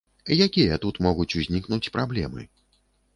Якія тут могуць узнікнуць праблемы?